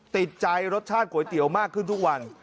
ติดใจรสชาติก๋วยเตี๋ยวมากขึ้นทุกวัน